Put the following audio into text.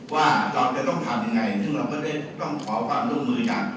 ว่าเราจะต้องทำยังไงซึ่งเราก็ได้ต้องขอความร่วมมือกัน